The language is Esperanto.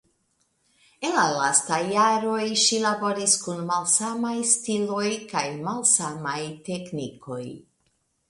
En la lastaj jaroj ŝi laboris kun malsamaj stiloj kaj malsamaj teknikoj.